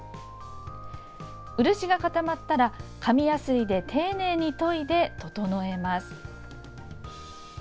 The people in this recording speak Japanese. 漆が固まったら、紙やすりで丁寧に研いで整えます。